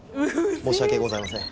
申し訳ございません